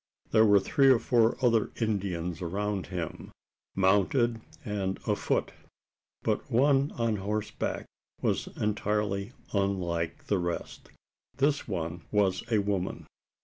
There were three or four other Indians around him, mounted and afoot; but one on horseback was entirely unlike the rest. This one was a woman.